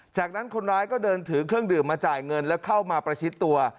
จากนั้นคนร้ายก็เดินถือเครื่องดื่มมาจ่ายเงินแล้วเข้ามาประชิดตัว